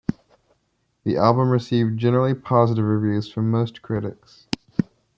The album received generally positive reviews from most critics.